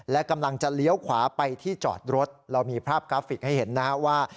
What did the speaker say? และกำลังจะเลี้ยวขวาไปที่จอดรถเรามีภาพกราฟิกให้เห็นนะครับว่า